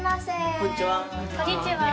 こんにちは。